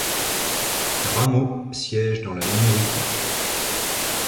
Rameau siège dans la minorité.